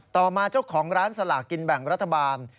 ต่อมาเจ้าของร้านสลากกินแบ่งรัฐบาล